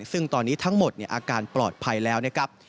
ซึ่งตอนนี้ทั้งหมดอาการปลอดภัยแล้วนะครับ